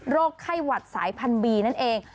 ไข้หวัดสายพันธบีนั่นเอง